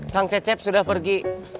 kang cecep sudah pergi